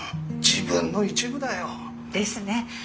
自分の一部だよ。ですね。